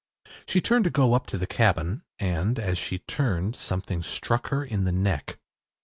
She turned to go up to the cabin, and, as she turned something struck her in the neck.